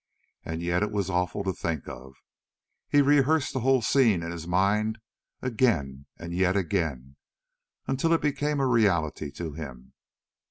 And yet it was awful to think of. He rehearsed the whole scene in his mind again and yet again until it became a reality to him.